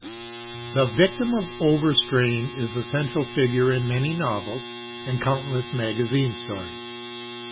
The victim of moral overstrain is the central figure in many novels and countless magazine stories.